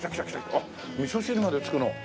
あっみそ汁まで付くの？